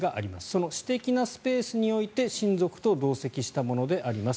その私的なスペースにおいて親族と同席したものであります。